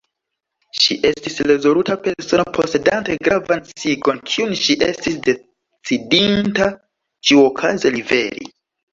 Ŝi estis rezoluta persono, posedante gravan sciigon, kiun ŝi estis decidinta ĉiuokaze liveri.